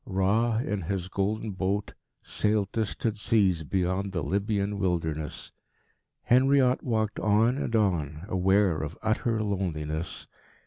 Ra, in his golden boat, sailed distant seas beyond the Libyan wilderness. Henriot walked on and on, aware of utter loneliness.